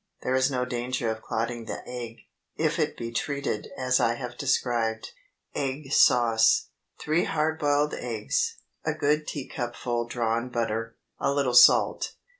There is no danger of clotting the egg, if it be treated as I have described. EGG SAUCE. ✠ 3 hard boiled eggs. A good teacupful drawn butter. A little salt.